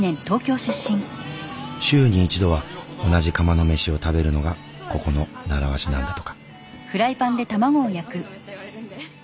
週に１度は同じ釜の飯を食べるのがここの習わしなんだとか。